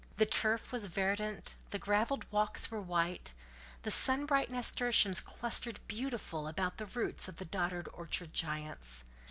The turf was verdant, the gravelled walks were white; sun bright nasturtiums clustered beautiful about the roots of the doddered orchard giants.